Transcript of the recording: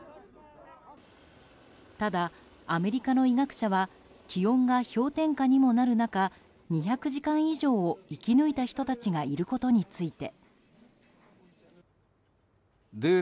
ただ、アメリカの医学者は気温が氷点下にもなる中２００時間以上を生き抜いた人たちがいることについて。